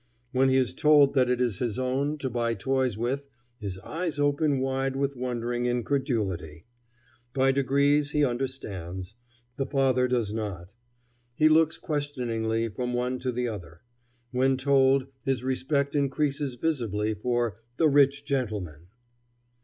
When he is told that it is his own, to buy toys with, his eyes open wide with wondering incredulity. By degrees he understands. The father does not. He looks questioningly from one to the other. When told, his respect increases visibly for "the rich gentleman."